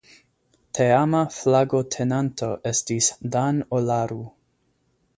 Teama flagotenanto estis "Dan Olaru".